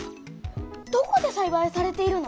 どこでさいばいされているの？